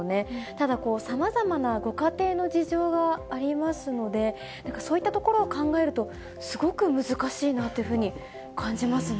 ただ、さまざまなご家庭の事情がありますので、なんかそういったところを考えると、すごく難しいなっていうふうに感じますね。